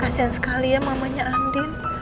kasian sekali ya mamanya randin